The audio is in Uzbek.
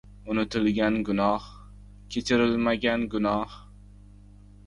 • Unutilmagan gunoh — kechirilmagan gunoh.